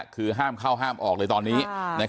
คือห้ามเข้าห้ามออกเลยตอนนี้